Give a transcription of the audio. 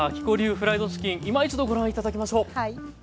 フライドチキンいま一度ご覧頂きましょう。